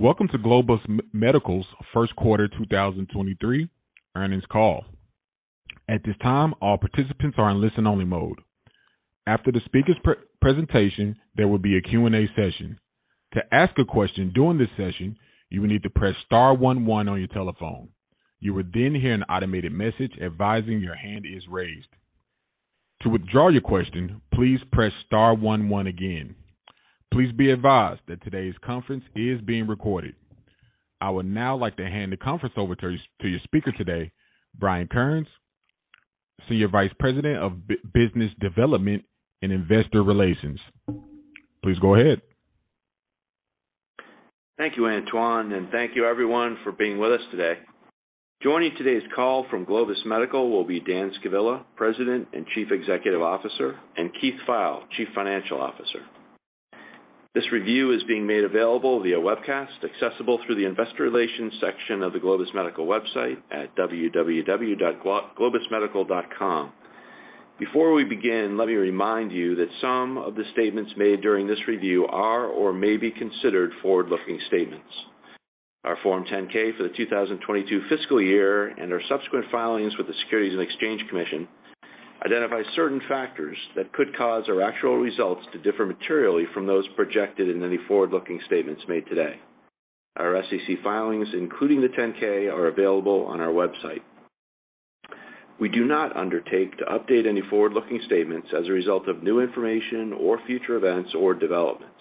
Welcome to Globus Medical's first quarter 2023 earnings call. At this time, all participants are in listen-only mode. After the speaker's pre-presentation, there will be a Q&A session. To ask a question during this session, you will need to press star one one on your telephone. You will then hear an automated message advising your hand is raised. To withdraw your question, please press star one one again. Please be advised that today's conference is being recorded. I would now like to hand the conference over to your speaker today, Brian Kearns, Senior Vice President of Business Development and Investor Relations. Please go ahead. Thank you, Antoine, and thank you everyone for being with us today. Joining today's call from Globus Medical will be Dan Scavilla, President and Chief Executive Officer, and Keith Pfeil, Chief Financial Officer. This review is being made available via webcast, accessible through the Investor Relations section of the Globus Medical website at www.glo-globusmedical.com. Before we begin, let me remind you that some of the statements made during this review are or may be considered forward-looking statements. Our Form 10-K for the 2022 fiscal year and our subsequent filings with the Securities and Exchange Commission identify certain factors that could cause our actual results to differ materially from those projected in any forward-looking statements made today. Our SEC filings, including the 10-K, are available on our website. We do not undertake to update any forward-looking statements as a result of new information or future events or developments.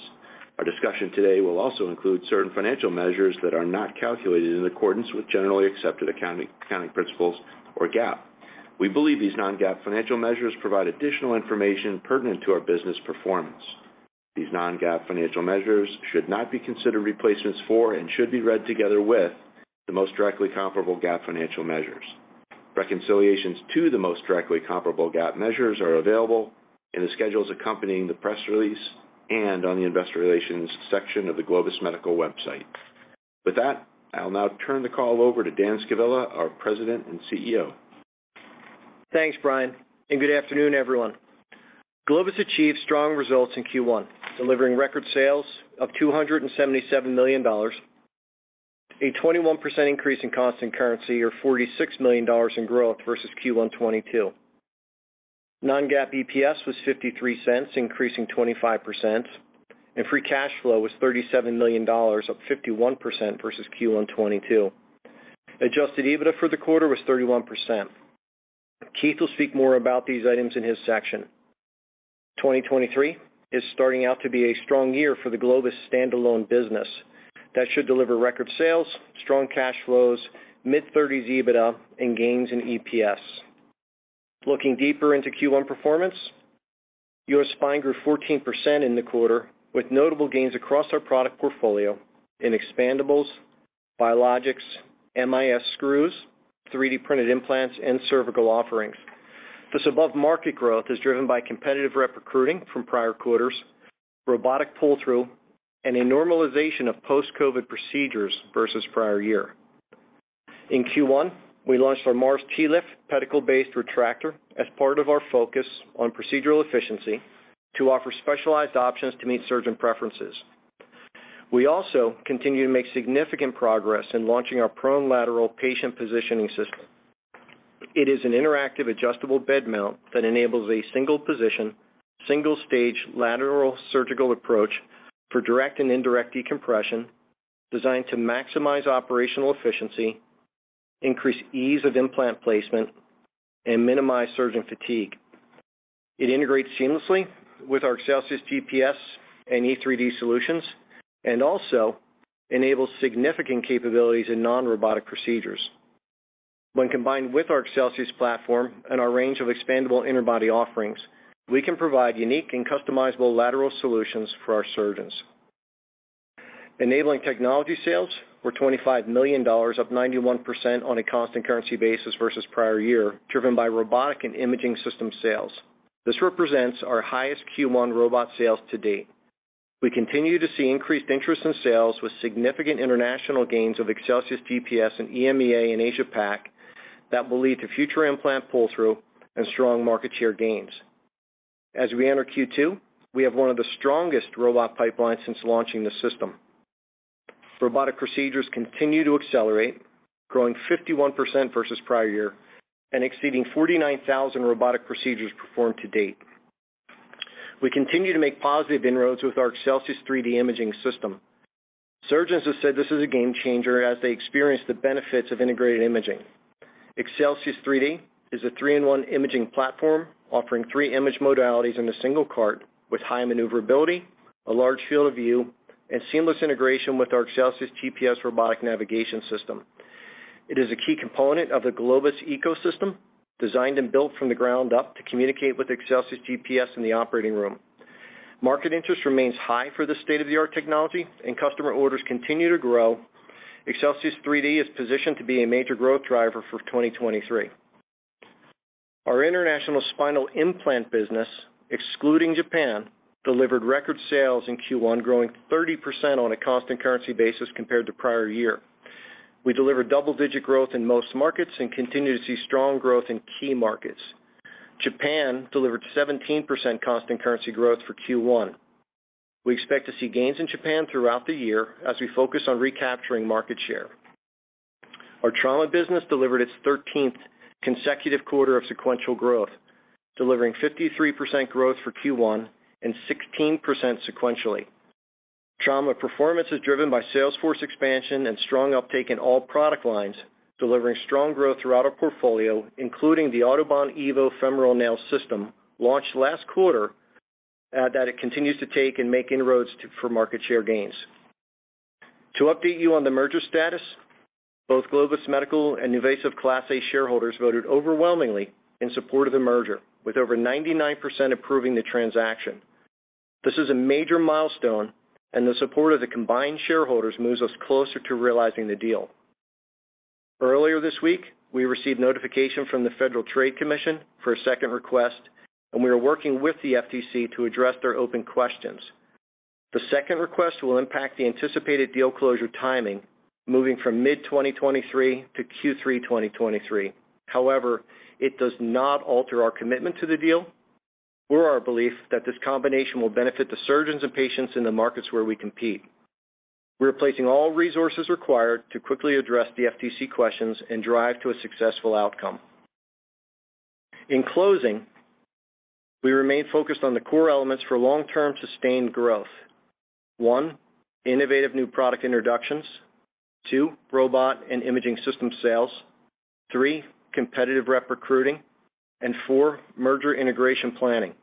Our discussion today will also include certain financial measures that are not calculated in accordance with generally accepted accounting principles or GAAP. We believe these non-GAAP financial measures provide additional information pertinent to our business performance. These non-GAAP financial measures should not be considered replacements for and should be read together with the most directly comparable GAAP financial measures. Reconciliations to the most directly comparable GAAP measures are available in the schedules accompanying the press release and on the Investor Relations section of the Globus Medical website. With that, I'll now turn the call over to Dan Scavilla, our President and CEO. Thanks, Brian, and good afternoon, everyone. Globus achieved strong results in Q1, delivering record sales of $277 million, a 21% increase in constant currency or $46 million in growth versus Q1 2022. Non-GAAP EPS was $0.53, increasing 25%. Free cash flow was $37 million, up 51% versus Q1 2022. Adjusted EBITDA for the quarter was 31%. Keith will speak more about these items in his section. 2023 is starting out to be a strong year for the Globus standalone business that should deliver record sales, strong cash flows, mid-30s EBITDA, and gains in EPS. Looking deeper into Q1 performance, US Spine grew 14% in the quarter, with notable gains across our product portfolio in expandables, biologics, MIS screws, 3D printed implants, and cervical offerings. This above-market growth is driven by competitive rep recruiting from prior quarters, robotic pull-through, and a normalization of post-COVID procedures versus prior year. In Q1, we launched our MARS TLIF pedicle-based retractor as part of our focus on procedural efficiency to offer specialized options to meet surgeon preferences. We also continue to make significant progress in launching our Prone Lateral Patient Positioning System. It is an interactive adjustable bed mount that enables a single position, single stage lateral surgical approach for direct and indirect decompression designed to maximize operational efficiency, increase ease of implant placement, and minimize surgeon fatigue. It integrates seamlessly with our ExcelsiusGPS and E3D solutions and also enables significant capabilities in non-robotic procedures. When combined with our Excelsius platform and our range of expandable interbody offerings, we can provide unique and customizable lateral solutions for our surgeons. Enabling technology sales were $25 million, up 91% on a constant currency basis versus prior year, driven by robotic and imaging system sales. This represents our highest Q1 robot sales to date. We continue to see increased interest in sales with significant international gains of ExcelsiusGPS in EMEA and Asia Pac that will lead to future implant pull-through and strong market share gains. As we enter Q2, we have one of the strongest robot pipelines since launching the system. Robotic procedures continue to accelerate, growing 51% versus prior year and exceeding 49,000 robotic procedures performed to date. We continue to make positive inroads with our Excelsius3D imaging system. Surgeons have said this is a game changer as they experience the benefits of integrated imaging. Excelsius3D is a three-in-one imaging platform offering 3 image modalities in a single cart with high maneuverability, a large field of view, and seamless integration with our ExcelsiusGPS robotic navigation system. It is a key component of the Globus ecosystem designed and built from the ground up to communicate with ExcelsiusGPS in the operating room. Market interest remains high for this state-of-the-art technology and customer orders continue to grow. Excelsius3D is positioned to be a major growth driver for 2023. Our international spinal implant business, excluding Japan, delivered record sales in Q1, growing 30% on a constant currency basis compared to prior year. We delivered double-digit growth in most markets and continue to see strong growth in key markets. Japan delivered 17% constant currency growth for Q1. We expect to see gains in Japan throughout the year as we focus on recapturing market share. Our trauma business delivered its 13th consecutive quarter of sequential growth, delivering 53% growth for Q1 and 16% sequentially. Trauma performance is driven by sales force expansion and strong uptake in all product lines, delivering strong growth throughout our portfolio, including the AUTOBAHN EVO Femoral Nail System launched last quarter, that it continues to take and make inroads for market share gains. To update you on the merger status, both Globus Medical and NuVasive Class A shareholders voted overwhelmingly in support of the merger, with over 99% approving the transaction. This is a major milestone. The support of the combined shareholders moves us closer to realizing the deal. Earlier this week, we received notification from the Federal Trade Commission for a second request, and we are working with the FTC to address their open questions. The second request will impact the anticipated deal closure timing, moving from mid-2023 to Q3 2023. However, it does not alter our commitment to the deal or our belief that this combination will benefit the surgeons and patients in the markets where we compete. We're placing all resources required to quickly address the FTC questions and drive to a successful outcome. In closing, we remain focused on the core elements for long-term sustained growth. One, innovative new product introductions. Two, robot and imaging system sales. Three, competitive rep recruiting. Four, merger integration planning.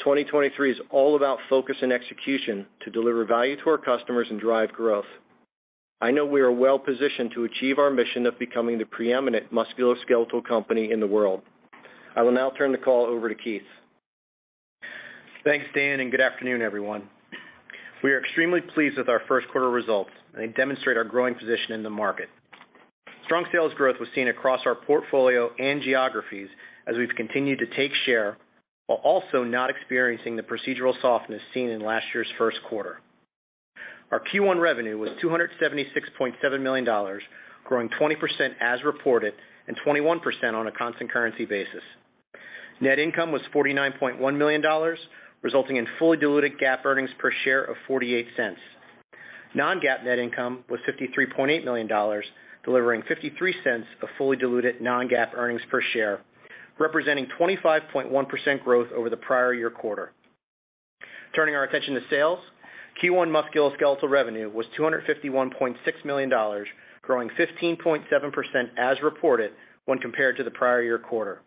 2023 is all about focus and execution to deliver value to our customers and drive growth. I know we are well-positioned to achieve our mission of becoming the preeminent musculoskeletal company in the world. I will now turn the call over to Keith. Thanks, Dan, and good afternoon, everyone. We are extremely pleased with our first quarter results, and they demonstrate our growing position in the market. Strong sales growth was seen across our portfolio and geographies as we've continued to take share while also not experiencing the procedural softness seen in last year's first quarter. Our Q1 revenue was $276.7 million, growing 20% as reported and 21% on a constant currency basis. Net income was $49.1 million, resulting in fully diluted GAAP earnings per share of $0.48. Non-GAAP net income was $53.8 million, delivering $0.53 of fully diluted non-GAAP earnings per share, representing 25.1% growth over the prior year quarter. Turning our attention to sales. Q1 Musculoskeletal revenue was $251.6 million, growing 15.7% as reported when compared to the prior year quarter.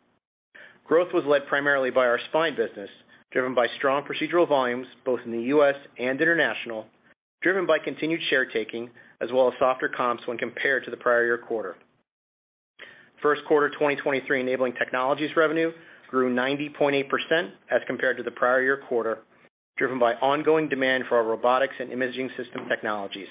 Growth was led primarily by our spine business, driven by strong procedural volumes both in the and international, driven by continued share taking as well as softer comps when compared to the prior year quarter. First quarter 2023 Enabling Technologies revenue grew 90.8% as compared to the prior year quarter, driven by ongoing demand for our robotics and imaging system technologies.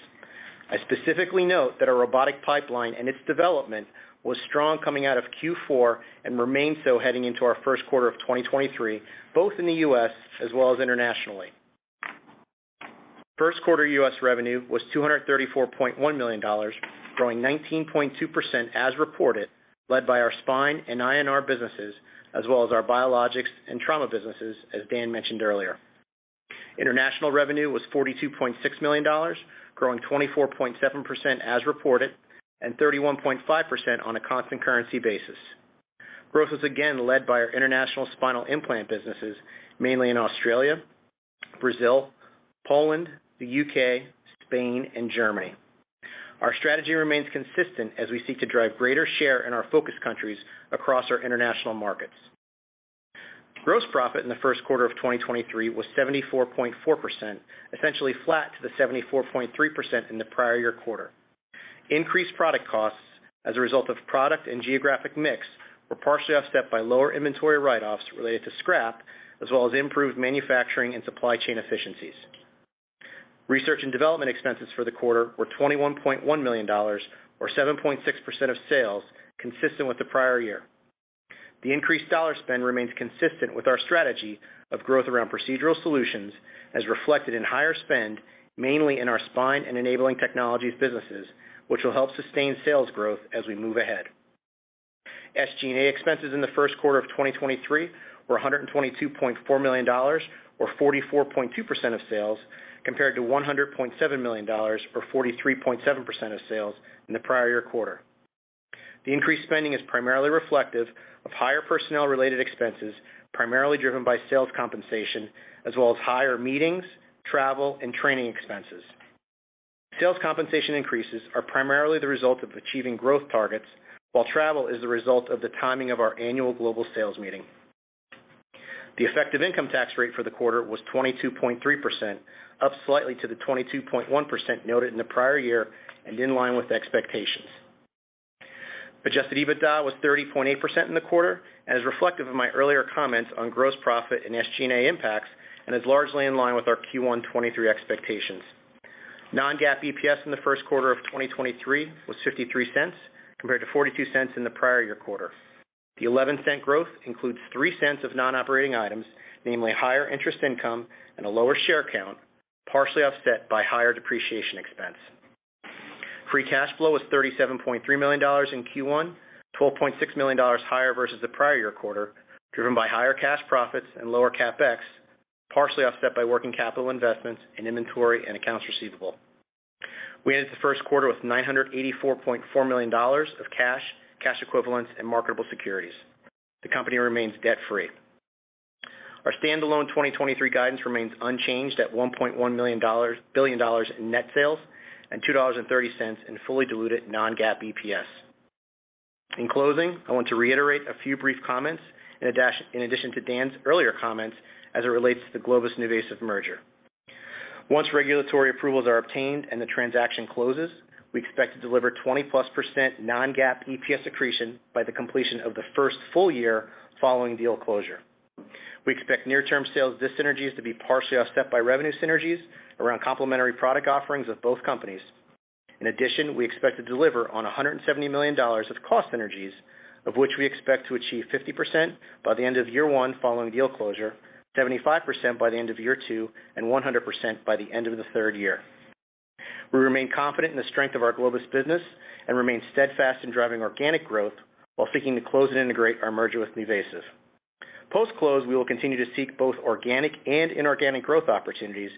I specifically note that our robotic pipeline and its development was strong coming out of Q4 and remained so heading into our first quarter of 2023, both in the U.S. as well as internationally. First quarter U.S. revenue was $234.1 million, growing 19.2% as reported, led by our spine and INR businesses as well as our biologics and trauma businesses, as Dan mentioned earlier. International revenue was $42.6 million, growing 24.7% as reported and 31.5% on a constant currency basis. Growth was again led by our international spinal implant businesses, mainly in Australia, Brazil, Poland, the U.K., Spain, and Germany. Our strategy remains consistent as we seek to drive greater share in our focus countries across our international markets. Gross profit in the first quarter of 2023 was 74.4%, essentially flat to the 74.3% in the prior year quarter. Increased product costs as a result of product and geographic mix were partially offset by lower inventory write-offs related to scrap as well as improved manufacturing and supply chain efficiencies. Research and development expenses for the quarter were $21.1 million or 7.6% of sales, consistent with the prior year. The increased dollar spend remains consistent with our strategy of growth around procedural solutions as reflected in higher spend, mainly in our spine and Enabling Technologies businesses, which will help sustain sales growth as we move ahead. SG&A expenses in the first quarter of 2023 were $122.4 million or 44.2% of sales, compared to $100.7 million or 43.7% of sales in the prior year quarter. The increased spending is primarily reflective of higher personnel-related expenses, primarily driven by sales compensation as well as higher meetings, travel, and training expenses. Sales compensation increases are primarily the result of achieving growth targets, while travel is the result of the timing of our annual global sales meeting. The effective income tax rate for the quarter was 22.3%, up slightly to the 22.1% noted in the prior year and in line with expectations. Adjusted EBITDA was 30.8% in the quarter and is reflective of my earlier comments on gross profit and SG&A impacts and is largely in line with our Q1 2023 expectations. Non-GAAP EPS in the first quarter of 2023 was $0.53 compared to $0.42 in the prior year quarter. The $0.11 growth includes $0.03 of non-operating items, namely higher interest income and a lower share count, partially offset by higher depreciation expense. Free cash flow is $37.3 million in Q1, $12.6 million higher versus the prior year quarter, driven by higher cash profits and lower CapEx, partially offset by working capital investments in inventory and accounts receivable. We ended the first quarter with $984.4 million of cash equivalents and marketable securities. The company remains debt-free. Our standalone 2023 guidance remains unchanged at $1.1 billion in net sales and $2.30 in fully diluted non-GAAP EPS. In closing, I want to reiterate a few brief comments in addition to Dan's earlier comments as it relates to the Globus- NuVasive merger. Once regulatory approvals are obtained and the transaction closes, we expect to deliver 20%+ non-GAAP EPS accretion by the completion of the first full year following deal closure. We expect near-term sales dyssynergies to be partially offset by revenue synergies around complementary product offerings of both companies. We expect to deliver on $170 million of cost synergies, of which we expect to achieve 50% by the end of year one following deal closure, 75% by the end of year two, and 100% by the end of the third year. We remain confident in the strength of our Globus business and remain steadfast in driving organic growth while seeking to close and integrate our merger with NuVasive. Post-close, we will continue to seek both organic and inorganic growth opportunities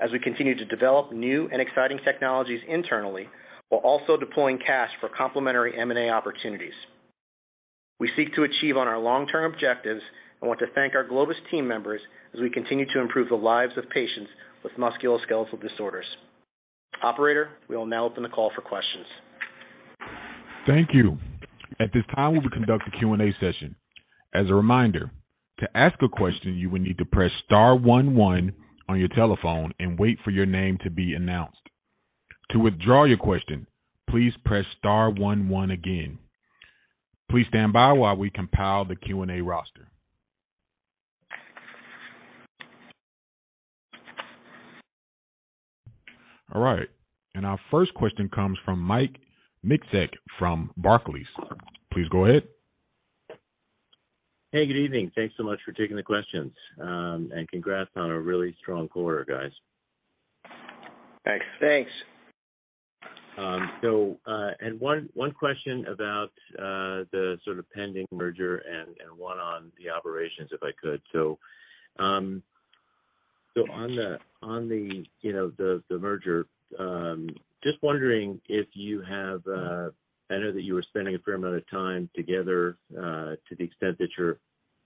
as we continue to develop new and exciting technologies internally, while also deploying cash for complementary M&A opportunities. We seek to achieve on our long-term objectives and want to thank our Globus team members as we continue to improve the lives of patients with musculoskeletal disorders. Operator, we'll now open the call for questions. Thank you. At this time, we will conduct a Q&A session. As a reminder, to ask a question, you will need to press star one one on your telephone and wait for your name to be announced. To withdraw your question, please press star one one again. Please stand by while we compile the Q&A roster. All right, our first question comes from Matt Miksic from Barclays. Please go ahead. Hey, good evening. Thanks so much for taking the questions. Congrats on a really strong quarter, guys. Thanks. Thanks. One, one question about the sort of pending merger and one on the operations, if I could? On the, on the, you know, the merger, just wondering if you have. I know that you were spending a fair amount of time together to the extent that you're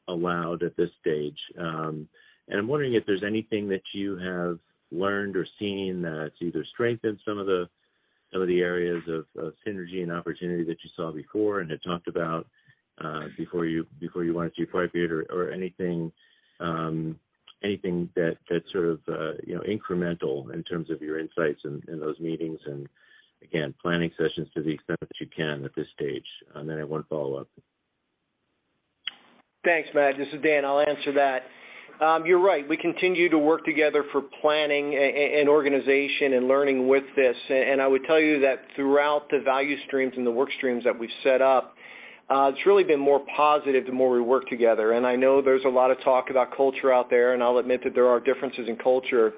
allowed at this stage. I'm wondering if there's anything that you have learned or seen that's either strengthened some of the, some of the areas of synergy and opportunity that you saw before and had talked about before you went through 58 or anything that sort of, you know, incremental in terms of your insights in those meetings, and again, planning sessions to the extent that you can at this stage. Then I want to follow up. Thanks, Matt. This is Dan. I'll answer that. You're right. We continue to work together for planning and organization and learning with this. I would tell you that throughout the value streams and the work streams that we've set up, it's really been more positive the more we work together. I know there's a lot of talk about culture out there, and I'll admit that there are differences in culture,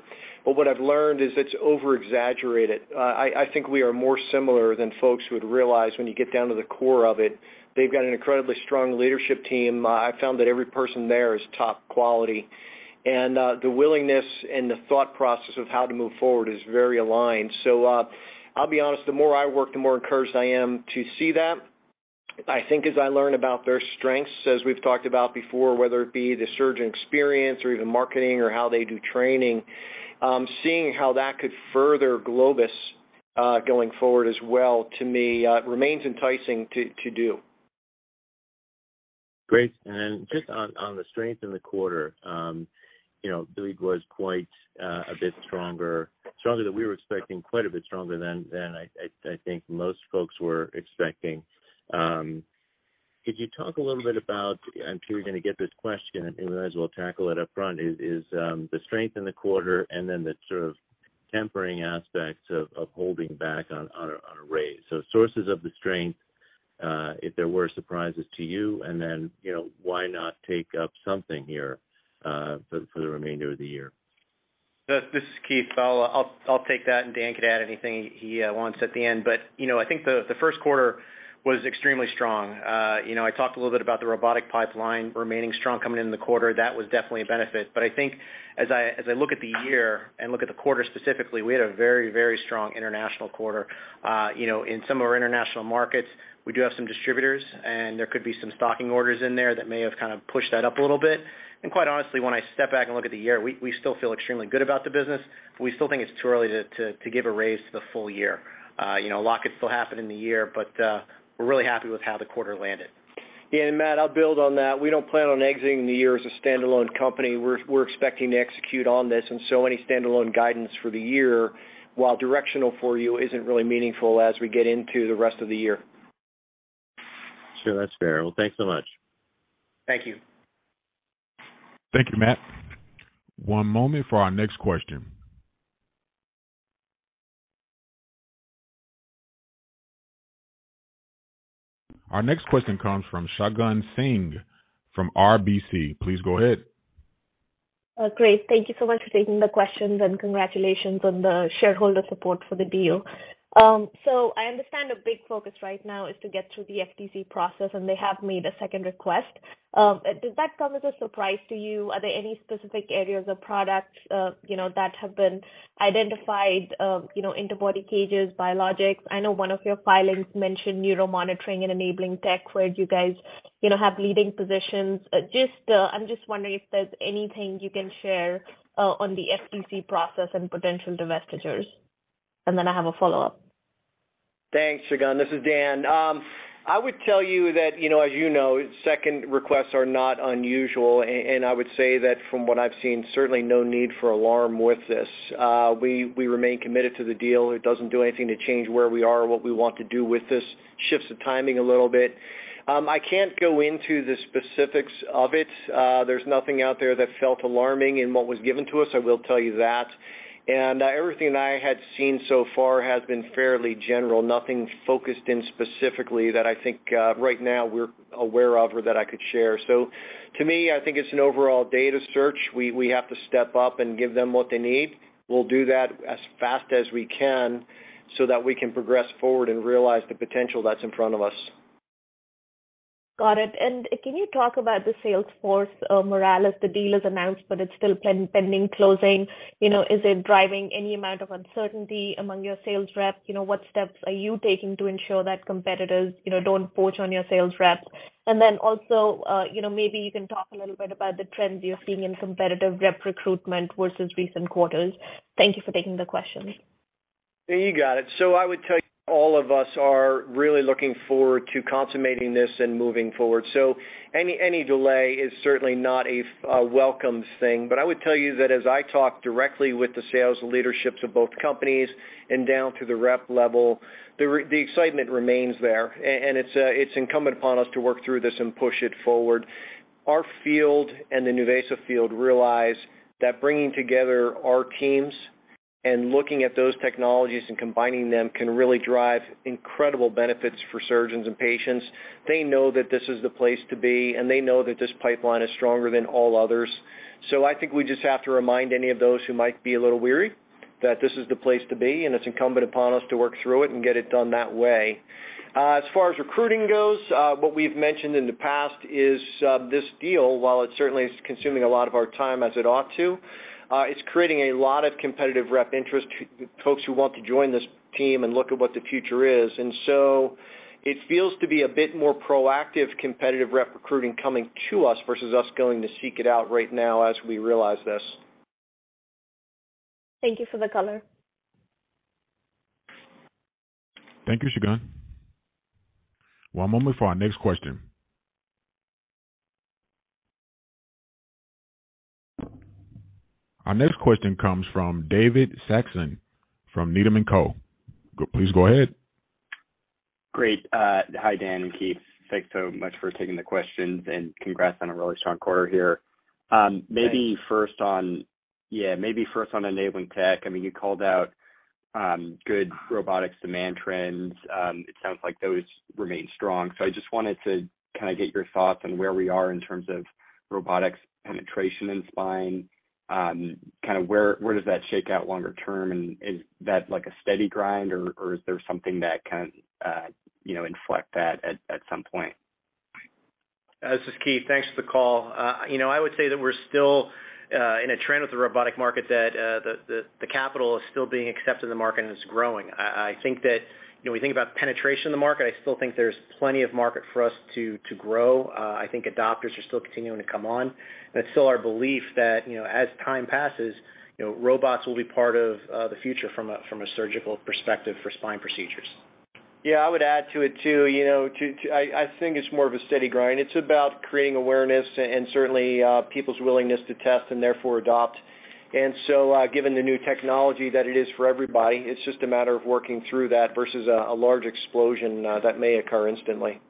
but what I've learned is it's over-exaggerated. I think we are more similar than folks would realize when you get down to the core of it. They've got an incredibly strong leadership team. I found that every person there is top quality, and the willingness and the thought process of how to move forward is very aligned. I'll be honest, the more I work, the more encouraged I am to see that. I think as I learn about their strengths, as we've talked about before, whether it be the surgeon experience or even marketing or how they do training, seeing how that could further Globus, going forward as well, to me, remains enticing to do. Great. Then just on the strength in the quarter, you know, believe it was quite a bit stronger than we were expecting, quite a bit stronger than I think most folks were expecting. Could you talk a little bit about, I'm sure you're gonna get this question, and you might as well tackle it up front, is the strength in the quarter and then the sort of tempering aspects of holding back on a raise. Sources of the strength, if there were surprises to you, and then, you know, why not take up something here for the remainder of the year? This is Keith. I'll take that and Dan could add anything he wants at the end. You know, I think the first quarter was extremely strong. You know, I talked a little bit about the robotic pipeline remaining strong coming into the quarter. That was definitely a benefit. I think as I look at the year and look at the quarter specifically, we had a very strong international quarter. You know, in some of our international markets, we do have some distributors, and there could be some stocking orders in there that may have kind of pushed that up a little bit. Quite honestly, when I step back and look at the year, we still feel extremely good about the business. We still think it's too early to give a raise to the full year. You know, a lot could still happen in the year, but, we're really happy with how the quarter landed. Yeah. Matt, I'll build on that. We don't plan on exiting the year as a standalone company. We're expecting to execute on this. Any standalone guidance for the year, while directional for you, isn't really meaningful as we get into the rest of the year. Sure. That's fair. Well, thanks so much. Thank you. Thank you, Matt. One moment for our next question. Our next question comes from Shagun Singh from RBC. Please go ahead. Great. Thank you so much for taking the questions and congratulations on the shareholder support for the deal. I understand a big focus right now is to get through the FTC process, and they have made a second request. Did that come as a surprise to you? Are there any specific areas or products, you know, that have been identified? You know, antibody cages, biologics. I know one of your filings mentioned neuromonitoring and enabling tech where you guys, you know, have leading positions. I'm just wondering if there's anything you can share on the FTC process and potential divestitures. I have a follow-up. Thanks, Shagun. This is Dan. I would tell you that, you know, as you know, second requests are not unusual. I would say that from what I've seen, certainly no need for alarm with this. We remain committed to the deal. It doesn't do anything to change where we are or what we want to do with this. Shifts the timing a little bit. I can't go into the specifics of it. There's nothing out there that felt alarming in what was given to us, I will tell you that. Everything I had seen so far has been fairly general. Nothing focused in specifically that I think, right now we're aware of or that I could share. To me, I think it's an overall data search. We have to step up and give them what they need. We'll do that as fast as we can so that we can progress forward and realize the potential that's in front of us. Got it. Can you talk about the sales force morale as the deal is announced, but it's still pending closing? You know, is it driving any amount of uncertainty among your sales rep? You know, what steps are you taking to ensure that competitors, you know, don't poach on your sales rep? Maybe you can talk a little bit about the trends you're seeing in competitive rep recruitment versus recent quarters. Thank you for taking the questions. You got it. I would tell you all of us are really looking forward to consummating this and moving forward. Any delay is certainly not a welcome thing. I would tell you that as I talk directly with the sales leaderships of both companies and down to the rep level, the excitement remains there. It's incumbent upon us to work through this and push it forward. Our field and the NuVasive field realize that bringing together our teams and looking at those technologies and combining them can really drive incredible benefits for surgeons and patients. They know that this is the place to be, and they know that this pipeline is stronger than all others. I think we just have to remind any of those who might be a little weary that this is the place to be, and it's incumbent upon us to work through it and get it done that way. As far as recruiting goes, what we've mentioned in the past is, this deal, while it certainly is consuming a lot of our time as it ought to, it's creating a lot of competitive rep interest, folks who want to join this team and look at what the future is. It feels to be a bit more proactive, competitive rep recruiting coming to us versus us going to seek it out right now as we realize this. Thank you for the color. Thank you, Shagun. One moment for our next question. Our next question comes from David Saxon from Needham & Co. Please go ahead. Great. Hi, Dan and Keith. Thanks so much for taking the questions and congrats on a really strong quarter here. Thanks. Maybe first yeah, maybe first on enabling tech. I mean, you called out, good robotics demand trends. It sounds like those remain strong. I just wanted to kind of get your thoughts on where we are in terms of robotics penetration in spine. Kind of where does that shake out longer term? Is that like a steady grind or is there something that can, you know, inflect that at some point? This is Keith. Thanks for the call. You know, I would say that we're still in a trend with the robotic market that the capital is still being accepted in the market and it's growing. I think that, you know, when you think about penetration in the market, I still think there's plenty of market for us to grow. I think adopters are still continuing to come on. It's still our belief that, you know, as time passes, you know, robots will be part of the future from a surgical perspective for spine procedures. Yeah, I would add to it too. You know, I think it's more of a steady grind. It's about creating awareness and certainly, people's willingness to test and therefore adopt. Given the new technology that it is for everybody, it's just a matter of working through that versus a large explosion that may occur instantly.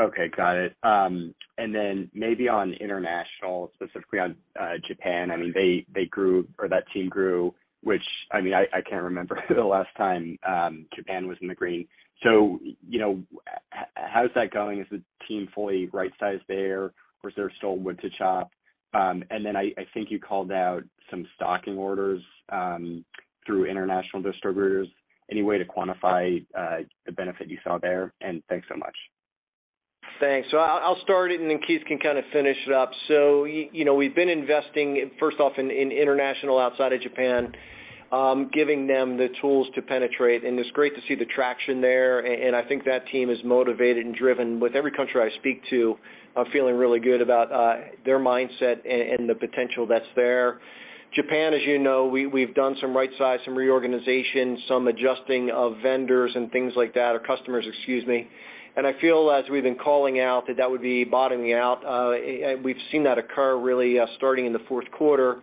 Okay, got it. Then maybe on international, specifically on Japan. I mean, they grew or that team grew, which, I mean, I can't remember the last time Japan was in the green. You know, how's that going? Is the team fully right-sized there or is there still wood to chop? Then I think you called out some stocking orders through international distributors. Any way to quantify the benefit you saw there? Thanks so much. Thanks. I'll start it and then Keith can kind of finish it up. You know, we've been investing first off in international outside of Japan, giving them the tools to penetrate, and it's great to see the traction there. I think that team is motivated and driven. With every country I speak to, I'm feeling really good about their mindset and the potential that's there. Japan, as you know, we've done some right size, some reorganization, some adjusting of vendors and things like that, or customers, excuse me. I feel as we've been calling out that that would be bottoming out. We've seen that occur really, starting in the fourth quarter.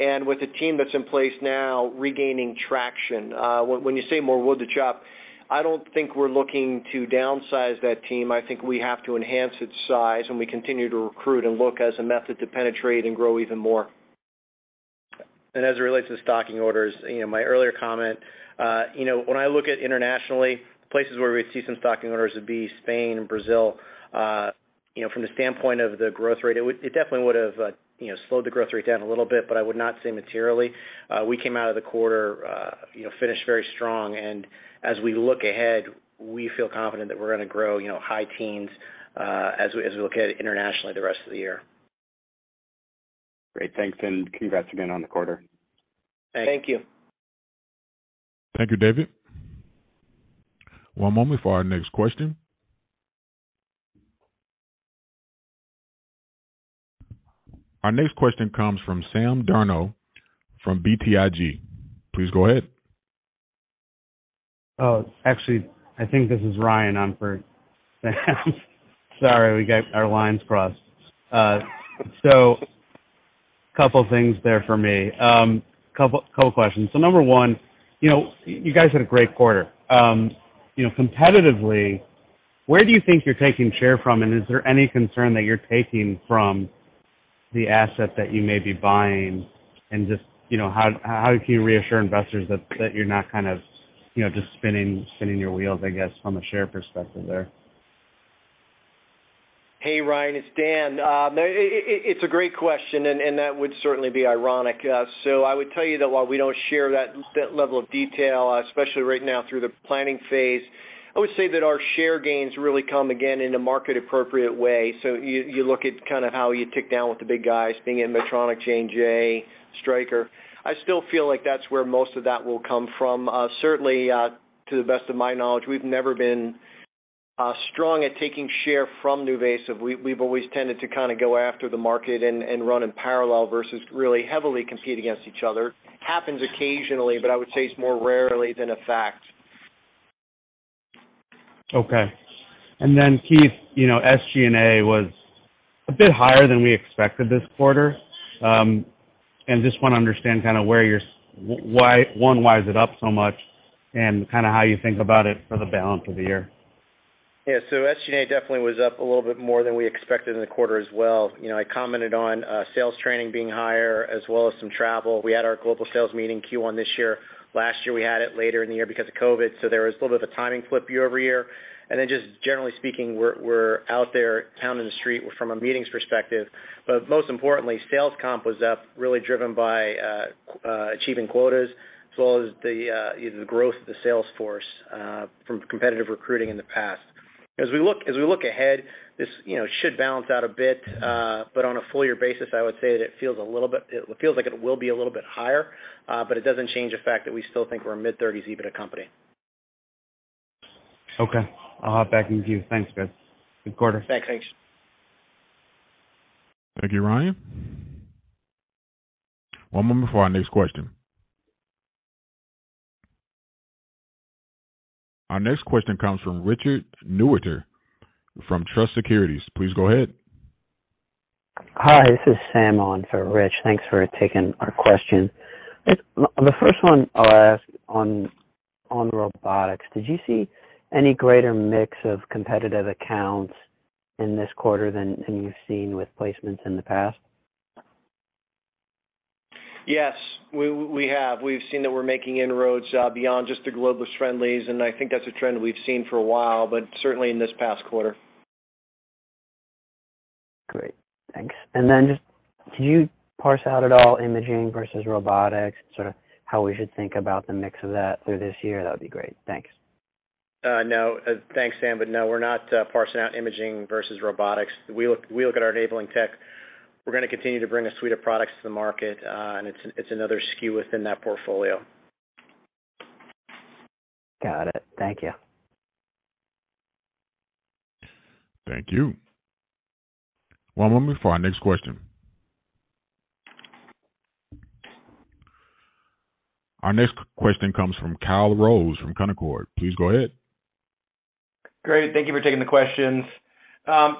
With the team that's in place now regaining traction. When you say more wood to chop, I don't think we're looking to downsize that team. I think we have to enhance its size, and we continue to recruit and look as a method to penetrate and grow even more. As it relates to the stocking orders, you know, my earlier comment, you know, when I look at internationally, places where we see some stocking orders would be Spain and Brazil. From the standpoint of the growth rate, it definitely would have, you know, slowed the growth rate down a little bit, but I would not say materially. We came out of the quarter, you know, finished very strong. As we look ahead, we feel confident that we're going to grow, you know, high teens, as we look at it internationally the rest of the year. Great. Thanks and congrats again on the quarter. Thank you. Thank you, David. One moment for our next question. Our next question comes from Ryan Zimmerman from BTIG. Please go ahead. Oh, actually, I think this is Ryan on for Sam. Sorry, we got our lines crossed. Couple things there for me. Couple questions. Number one, you know, you guys had a great quarter. You know, competitively, where do you think you're taking share from? Is there any concern that you're taking from the asset that you may be buying? Just, you know, how can you reassure investors that you're not kind of, you know, just spinning your wheels, I guess, from a share perspective there? Hey, Ryan, it's Dan. It's a great question, and that would certainly be ironic. I would tell you that while we don't share that level of detail, especially right now through the planning phase, I would say that our share gains really come again in a market appropriate way. You look at kind of how you tick down with the big guys being in Medtronic, J&J, Stryker. I still feel like that's where most of that will come from. Certainly, to the best of my knowledge, we've never been strong at taking share from NuVasive. We've always tended to kind of go after the market and run in parallel versus really heavily compete against each other. Happens occasionally, I would say it's more rarely than a fact. Okay. Then, Keith, you know, SG&A was a bit higher than we expected this quarter. Just want to understand kind of where you're one, why is it up so much? Kind of how you think about it for the balance of the year? Yeah. SG&A definitely was up a little bit more than we expected in the quarter as well. You know, I commented on sales training being higher as well as some travel. We had our global sales meeting Q1 this year. Last year, we had it later in the year because of COVID, so there was a little bit of a timing flip year-over-year. Just generally speaking, we're out there pounding the street from a meetings perspective. Most importantly, sales comp was up, really driven by achieving quotas as well as the growth of the sales force from competitive recruiting in the past. As we look ahead, this, you know, should balance out a bit, but on a full year basis, I would say that it feels like it will be a little bit higher, but it doesn't change the fact that we still think we're a mid-thirties EBITDA company. Okay. I'll hop back in queue. Thanks, guys. Good quarter. Thanks. Thank you, Ryan. One moment for our next question. Our next question comes from Richard Newitter from Truist Securities. Please go ahead. Hi, this is Sam on for Rich. Thanks for taking our question. The first one I'll ask on robotics. Did you see any greater mix of competitive accounts in this quarter than you've seen with placements in the past? Yes, we have. We've seen that we're making inroads, beyond just the Globus friendlies, and I think that's a trend we've seen for a while, but certainly in this past quarter. Great. Thanks. Then just can you parse out at all imaging versus robotics, sort of how we should think about the mix of that through this year? That would be great. Thanks. No. Thanks, Sam, but no, we're not parsing out imaging versus robotics. We look at our enabling tech. We're going to continue to bring a suite of products to the market, and it's another SKU within that portfolio. Got it. Thank you. Thank you. One moment for our next question. Our next question comes from Kyle Rose from Canaccord. Please go ahead. Great. Thank you for taking the questions.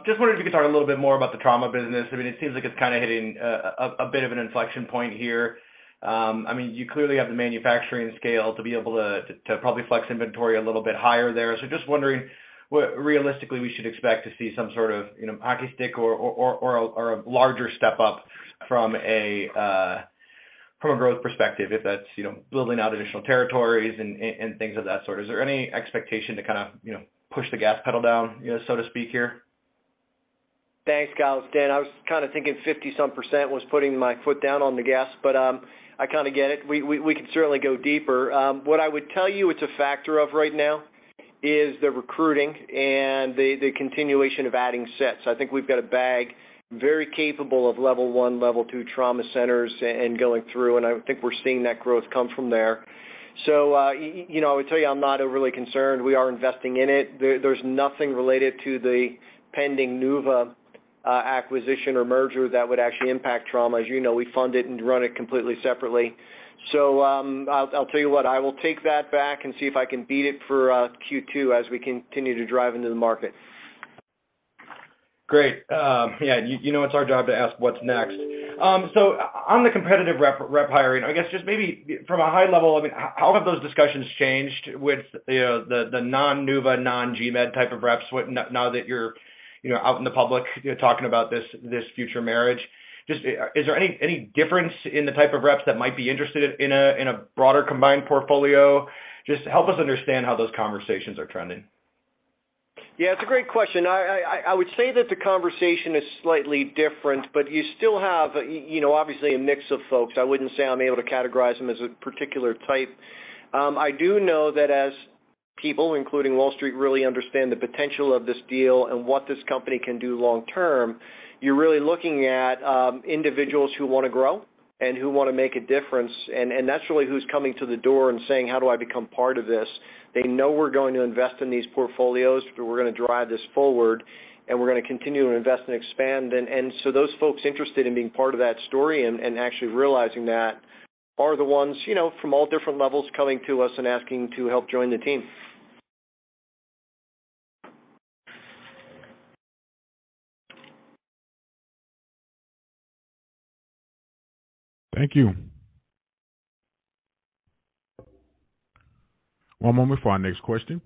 Just wondering if you could talk a little bit more about the trauma business. I mean, it seems like it's kind of hitting a bit of an inflection point here. I mean, you clearly have the manufacturing scale to be able to probably flex inventory a little bit higher there. Just wondering what realistically we should expect to see some sort of, you know, hockey stick or a larger step up from a growth perspective, if that's, you know, building out additional territories and things of that sort. Is there any expectation to kind of, you know, push the gas pedal down, you know, so to speak here? Thanks, Kyle. It's Dan. I was kind of thinking 50 some percent was putting my foot down on the gas, but I kind of get it. We can certainly go deeper. What I would tell you it's a factor of right now is the recruiting and the continuation of adding sets. I think we've got a bag very capable of level one, level two trauma centers and going through, and I think we're seeing that growth come from there. You know, I would tell you I'm not overly concerned. We are investing in it. There's nothing related to the pending NuVasive acquisition or merger that would actually impact trauma. As you know, we fund it and run it completely separately. I'll tell you what, I will take that back and see if I can beat it for Q2 as we continue to drive into the market. Great. Yeah, you know it's our job to ask what's next. So on the competitive rep hiring, I guess just maybe from a high level, I mean, how have those discussions changed with, you know, the non-Nuva, non-GMED type of reps now that you're, you know, out in the public, you know, talking about this future marriage? Just is there any difference in the type of reps that might be interested in a, in a broader combined portfolio? Just help us understand how those conversations are trending. Yeah, it's a great question. I would say that the conversation is slightly different, but you still have, you know, obviously a mix of folks. I wouldn't say I'm able to categorize them as a particular type. I do know that as people, including Wall Street, really understand the potential of this deal and what this company can do long term, you're really looking at individuals who wanna grow and who wanna make a difference. That's really who's coming to the door and saying, "How do I become part of this?" They know we're going to invest in these portfolios, but we're gonna drive this forward, and we're gonna continue to invest and expand. Those folks interested in being part of that story and actually realizing that are the ones, you know, from all different levels coming to us and asking to help join the team. Thank you. One moment for our next question.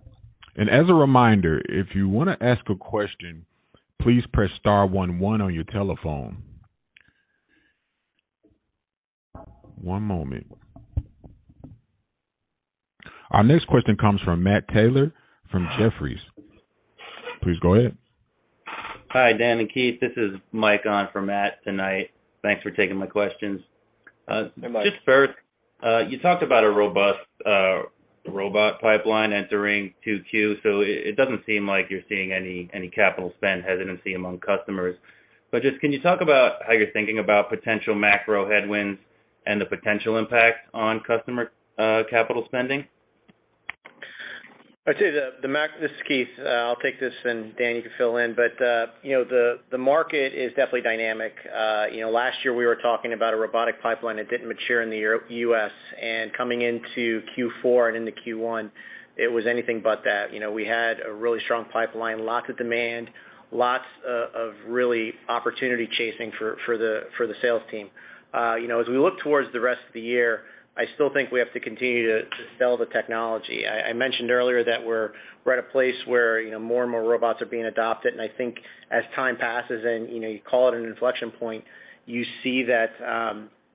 As a reminder, if you wanna ask a question, please press star one one on your telephone. One moment. Our next question comes from Matthew Taylor from Jefferies. Please go ahead. Hi, Dan and Keith. This is Mike on for Matt tonight. Thanks for taking my questions. Hey, Mike. Just first, you talked about a robust, robot pipeline entering 2Q. It doesn't seem like you're seeing any capital spend hesitancy among customers. Just can you talk about how you're thinking about potential macro headwinds and the potential impact on customer, capital spending? I'd say, This is Keith. I'll take this, and Dan, you can fill in. You know, the market is definitely dynamic. You know, last year we were talking about a robotic pipeline that didn't mature in the U.S., and coming into Q4 and into Q1, it was anything but that. You know, we had a really strong pipeline, lots of demand, lots of really opportunity chasing for the, for the sales team. You know, as we look towards the rest of the year, I still think we have to continue to sell the technology. I mentioned earlier that we're at a place where, you know, more and more robots are being adopted. I think as time passes and, you know, you call it an inflection point, you see that,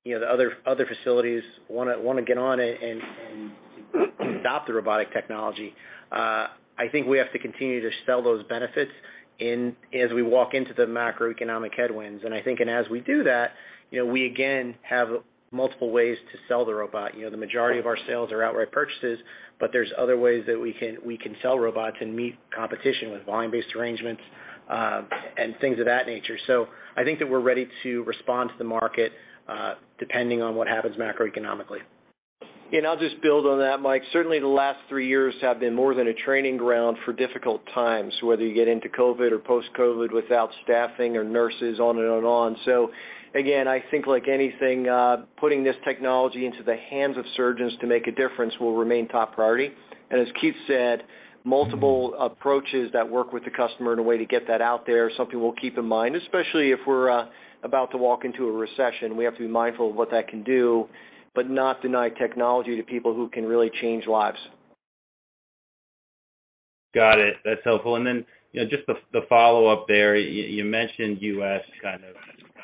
you know, the other facilities wanna get on it and adopt the robotic technology. I think we have to continue to sell those benefits as we walk into the macroeconomic headwinds. I think as we do that, you know, we again have multiple ways to sell the robot. You know, the majority of our sales are outright purchases, but there's other ways that we can sell robots and meet competition with volume-based arrangements, and things of that nature. I think that we're ready to respond to the market, depending on what happens macroeconomically. I'll just build on that, Mike. Certainly, the last three years have been more than a training ground for difficult times, whether you get into COVID or post-COVID without staffing or nurses on and on and on. Again, I think like anything, putting this technology into the hands of surgeons to make a difference will remain top priority. As Keith said, multiple approaches that work with the customer in a way to get that out there is something we'll keep in mind, especially if we're about to walk into a recession. We have to be mindful of what that can do, but not deny technology to people who can really change lives. Got it. That's helpful. You know, just the follow-up there. You mentioned U.S. kind of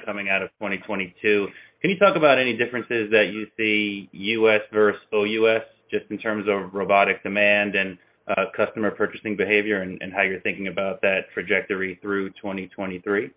coming out of 2022. Can you talk about any differences that you see U.S. versus OUS, just in terms of robotic demand and customer purchasing behavior and how you're thinking about that trajectory through 2023?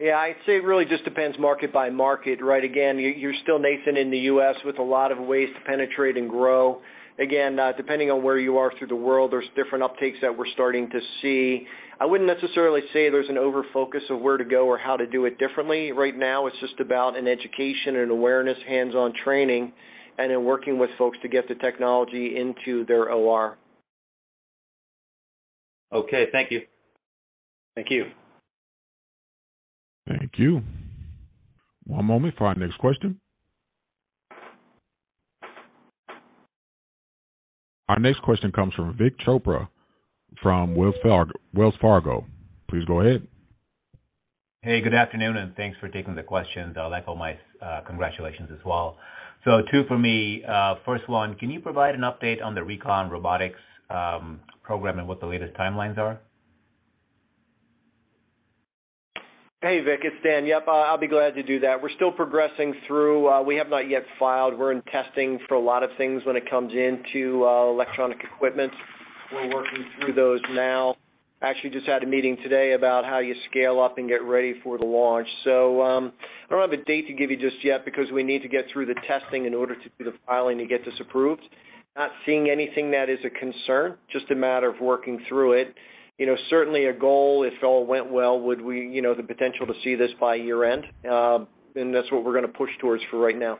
Yeah. I'd say it really just depends market by market, right? Again, you're still nascent in the U.S. with a lot of ways to penetrate and grow. Again, depending on where you are through the world, there's different uptakes that we're starting to see. I wouldn't necessarily say there's an overfocus of where to go or how to do it differently. Right now it's just about an education, an awareness, hands-on training, and then working with folks to get the technology into their OR. Okay, thank you. Thank you. Thank you. One moment for our next question. Our next question comes from Vik Chopra from Wells Fargo. Please go ahead. Hey, good afternoon. Thanks for taking the questions. I'd like to offer my congratulations as well. Two for me. First one, can you provide an update on the Recon Robotics program and what the latest timelines are? Hey, Vik. It's Dan. Yep, I'll be glad to do that. We're still progressing through. We have not yet filed. We're in testing for a lot of things when it comes into electronic equipment. We're working through those now. Actually just had a meeting today about how you scale up and get ready for the launch. I don't have a date to give you just yet because we need to get through the testing in order to do the filing to get this approved. Not seeing anything that is a concern, just a matter of working through it. You know, certainly a goal, if all went well, would we, you know, the potential to see this by year-end, and that's what we're gonna push towards for right now.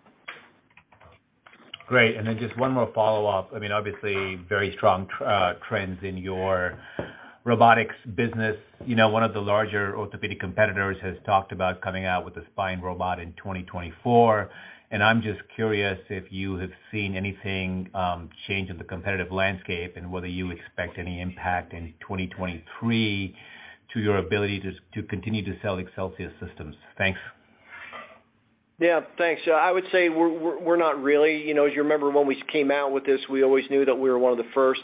Great. Just one more follow-up. I mean, obviously, very strong trends in your robotics business. You know, one of the larger orthopedic competitors has talked about coming out with a spine robot in 2024, and I'm just curious if you have seen anything change in the competitive landscape and whether you expect any impact in 2023 to your ability to continue to sell Excelsius systems. Thanks. Yeah. Thanks. I would say we're not really. You know, as you remember, when we came out with this, we always knew that we were one of the first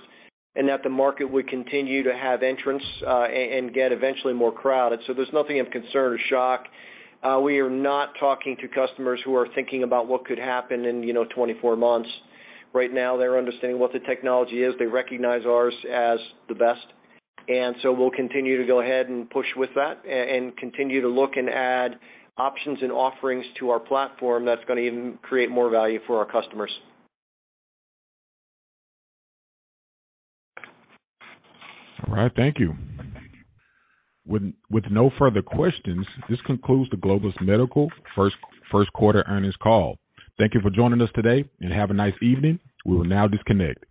and that the market would continue to have entrants, and get eventually more crowded. There's nothing of concern or shock. We are not talking to customers who are thinking about what could happen in, you know, 24 months. Right now, they're understanding what the technology is. They recognize ours as the best. We'll continue to go ahead and push with that and continue to look and add options and offerings to our platform that's gonna even create more value for our customers. All right. Thank you. With no further questions, this concludes the Globus Medical first quarter earnings call. Thank you for joining us today, and have a nice evening. We will now disconnect.